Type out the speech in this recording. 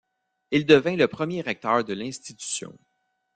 Il devint le premier recteur de l'institution.